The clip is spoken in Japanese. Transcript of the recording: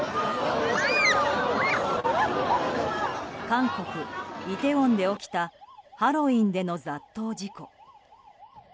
韓国イテウォンで起きたハロウィーンでの雑踏事故。